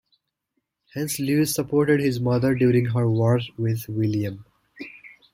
Hence Louis supported his mother during her war with William.